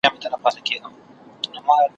هم پر ستړي ځان لرګي یې اورېدله ,